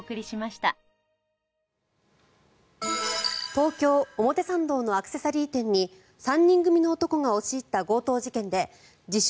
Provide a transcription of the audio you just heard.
東京・表参道のアクセサリー店に３人組の男が押し入った強盗事件で自称・